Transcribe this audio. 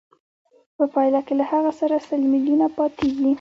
په پایله کې له هغه سره سل میلیونه پاتېږي